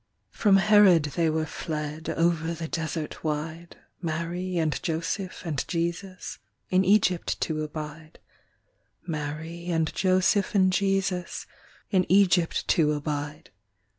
From Herod they were fled Over the desert wide, Mary and Joseph and Jesus, In Egypt to abide: 96 Mary and Joseph and Jesus, In Egypt to abide.